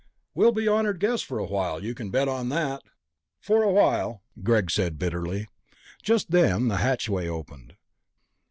"We'll be honored guests for a while, you can bet on that." "For a while," Greg said bitterly. Just then the hatchway opened.